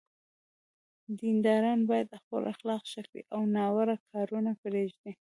دینداران باید خپل اخلاق ښه کړي او ناوړه کارونه پرېږدي.